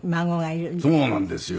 そうなんですよ。